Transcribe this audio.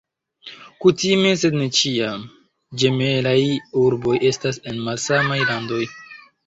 Kutime, sed ne ĉiam, ĝemelaj urboj estas en malsamaj landoj.